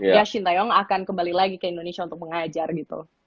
ya shin taeyong akan kembali lagi ke indonesia untuk mengajar gitu